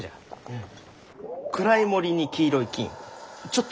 うん。